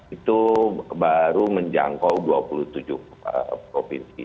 itu baru menjangkau dua puluh tujuh provinsi